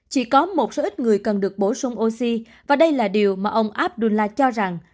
chỉ có một số ít người cần được bổ sung oxy và đây là điều mà ông abdullah cho rằng